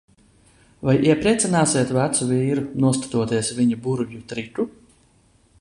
Vai iepriecināsiet vecu vīru, noskatoties viņa burvju triku?